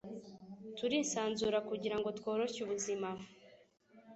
turisansura kugira ngo tworoshye ubuzima.